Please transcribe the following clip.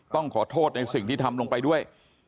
ต้องขอโทษในสิ่งที่ทำลงไปด้วย